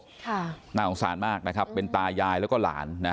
ค่ะน่าสงสารมากนะครับเป็นตายายแล้วก็หลานนะฮะ